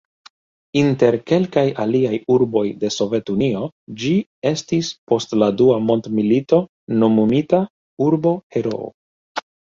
Inter kelkaj aliaj urboj de Sovet-Unio ĝi estis post la Dua mondmilito nomumita "Urbo-Heroo".